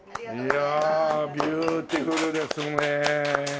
いやビューティフルですね。